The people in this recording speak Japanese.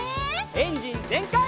エンジンぜんかい！